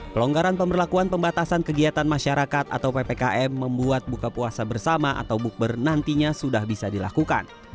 pelonggaran pemberlakuan pembatasan kegiatan masyarakat atau ppkm membuat buka puasa bersama atau bukber nantinya sudah bisa dilakukan